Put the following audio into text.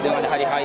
tidak ada hari hari